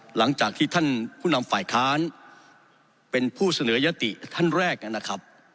หลังจากที่ท่านผู้นำฝ่ายค้านเป็นผู้เสนอยติท่านแรกนะครับ